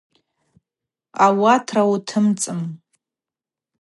Утара утымцӏын.